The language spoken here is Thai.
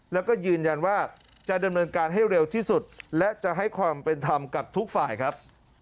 แล้วก็ยืนยันว่าจะดำเนินการให้เร็วที่สุดและจะให้ความเป็นธรรมกับทุกฝ่ายครับ